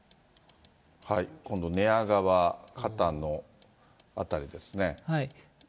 今度、寝屋川、かたの辺りですね。